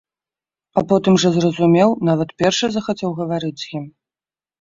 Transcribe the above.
А потым жа зразумеў, нават першы захацеў гаварыць з ім.